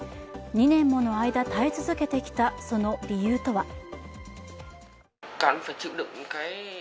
２年もの間耐え続けてきたその理由とは。